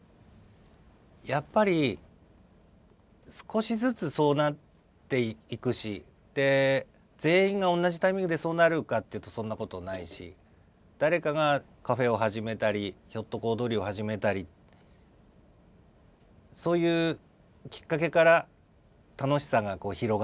やっぱり少しずつそうなっていくしで全員が同じタイミングでそうなるかっていうとそんなことないし誰かがカフェを始めたりひょっとこ踊りを始めたりそういうきっかけから楽しさが広がっていくっていうかね。